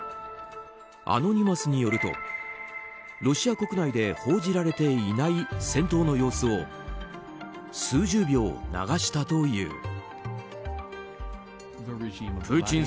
アノニマスによるとロシア国内で報じられていない戦闘の様子を数十秒流したという。